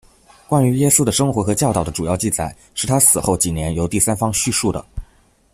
关于耶稣的生活和教导的主要记载是他死后几年由第三方叙述的。